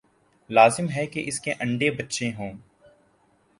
لازم ہے کہ اس کے انڈے بچے ہوں۔